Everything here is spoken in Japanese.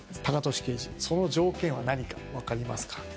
タカトシ刑事その条件は何か分かりますか？